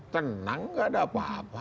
tenang gak ada apa apa